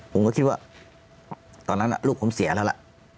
ผมก็คิดว่าตอนนั้นลูกผมเสียแล้วล่ะ